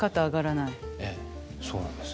ええそうなんです。